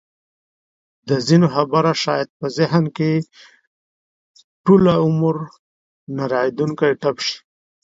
د ځینو خبره شاید په ذهن کې ټوله عمر نه رغېدونکی ټپ شي.